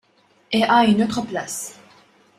Et à une autre place.